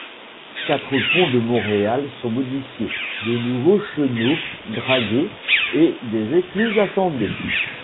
Quatre ponts de Montréal sont modifiés, de nouveaux chenaux dragués et des écluses assemblées.